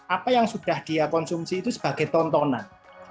apa yang sudah dia konsumsi itu sebagai tontonan